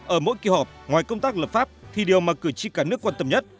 ở mỗi kỳ họp ngoài công tác lập pháp thì điều mà cử tri cả nước quan tâm nhất